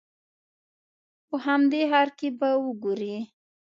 په همدې ښار کې به وګورې.